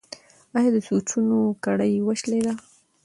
ایا د سوچونو کړۍ وشلیدله؟